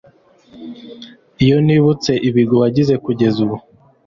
iyo nibutse ibigwi wagize kugeza ubu